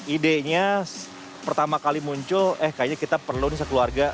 idenya pertama kali muncul eh kayaknya kita perlu nih sekeluarga